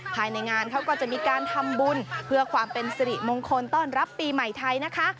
ภายในงานเขาก็จะมีการทำบุญเพื่อความเป็นสิริมงคลต้อนรับปีใหม่ไทยนะคะ